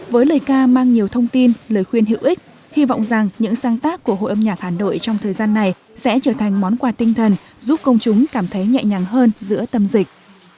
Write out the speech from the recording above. với lời ca mang nhiều thông tin lời khuyên hữu ích hy vọng rằng những sáng tác của hội âm nhạc hà nội trong thời gian này sẽ trở thành món quà tinh thần giúp công chúng cảm thấy nhẹ nhàng hơn giữa tâm dịch